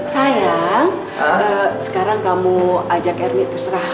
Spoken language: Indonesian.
sayang sekarang kamu ajak ernie terserah